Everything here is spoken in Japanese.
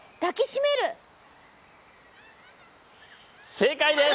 正解です！